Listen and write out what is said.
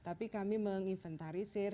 tapi kami meng inventarisir